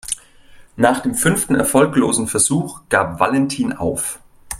Nach dem fünften erfolglosen Versuch gab Valentin auf.